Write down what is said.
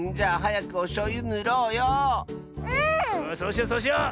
そうしようそうしよう！